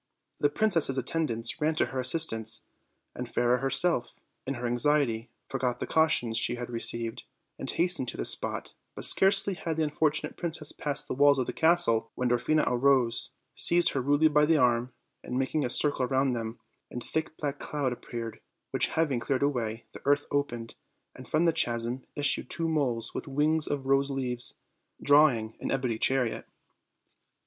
The princess' attendants ran to her assistance, and Fairer herself, in her anxiety, forgot the cautions she had received, and hastened to the spot; but scarcely had the unfortunate princess passed the walls of the castle when Dwarfina arose, seized her rudely by the arm, and, making a circle round them, a think black cloud ap peared, which having cleared away, the earth opened, and from the chasm issued two moles, with wings of rose leaves, drawing an ebony chariot.